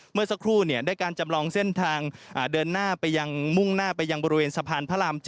เมื่อสักครู่ได้การจำลองเส้นทางเดินหน้าไปยังมุ่งหน้าไปยังบริเวณสะพานพระราม๗